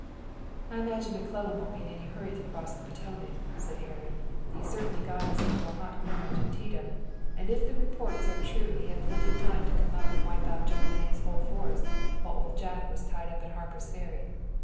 "I imagine McClellan won't be in any hurry to cross the Potomac," said Harry. "He certainly got us into a hot corner at Antietam, and if the reports are true he had plenty of time to come up and wipe out General Lee's whole force, while Old Jack was tied up at Harper's Ferry.